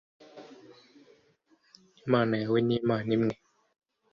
imana yawe ni imana imwe